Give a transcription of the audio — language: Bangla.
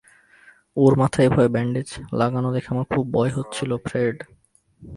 ওর মাথায় এভাবে ব্যান্ডেজ লাগানো দেখে আমার খুব ভয় হচ্ছিল ফ্রেড।